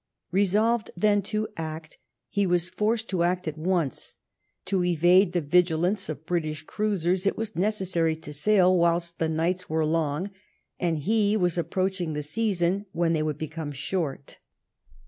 Resolved then to act, he was forced to act at once. To evade the vigilance of British cruisers it was necessary to sail whilst the nights were long, and ho was approaching the season when they would become short.